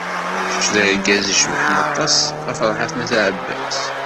Kečč d argaz icebḥen aṭas a Ferḥat n At Ɛebbas.